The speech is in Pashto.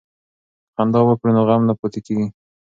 که خندا وکړو نو غم نه پاتې کیږي.